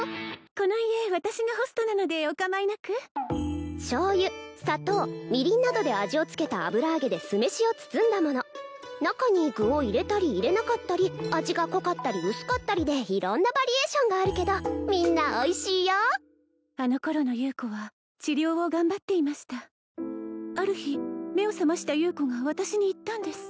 この家私がホストなのでお構いなく・醤油砂糖みりんなどで味をつけた油揚げで酢飯を包んだもの中に具を入れたり入れなかったり味が濃かったり薄かったりで色んなバリエーションがあるけどみんなおいしいよあの頃の優子は治療を頑張っていましたある日目を覚ました優子が私に言ったんです